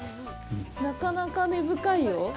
なかなか根深いよ！